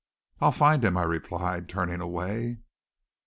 "I'll find him," I replied turning away.